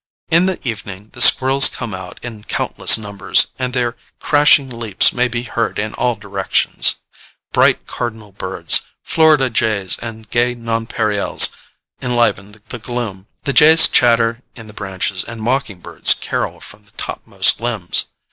In the evening the squirrels come out in countless numbers, and their crashing leaps may be heard in all directions; bright cardinal birds, Florida jays and gay nonpareils enliven the gloom; the jays chatter in the branches and mocking birds carol from the topmost limbs.